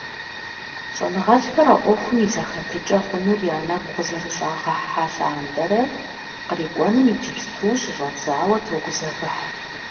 ЩIэныгъэлIхэр, а Iуэхум и зэхэтыкIэ хъунур я нэгу къызэрыщIагъыхьэ лъандэрэ, кърикIуэнум иджыпсту щыщIэдзауэ тогузэвыхь.